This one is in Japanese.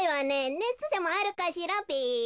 ねつでもあるかしらべ。